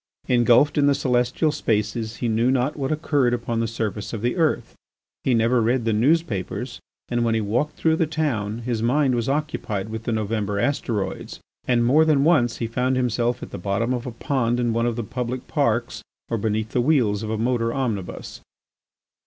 Engulfed in the celestial spaces he knew not what occurred upon the surface of the earth. He never read the newspapers, and when he walked through the town his mind was occupied with the November asteroids, and more than once he found himself at the bottom of a pond in one of the public parks or beneath the wheels of a motor omnibus.